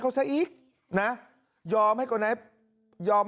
เราโคตรเสียใจกับลูกเลยนะ